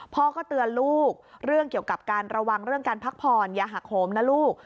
พ่อก็เตือนลูกเรื่องเกี่ยวกับการระวังเรื่องการพักผ่อนอย่าหักโหมนะลูก